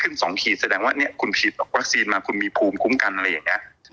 ซึ่งแสดงว่าคุณฉีดวัคซีนคุณมามีภูมิกลุ้มกัน